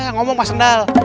ngomong pak sendal